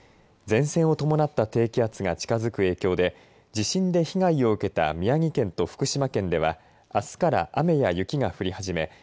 前線を伴った低気圧が近づく影響で地震で被害を受けた宮城県と福島県ではあすから雨や雪が降り始め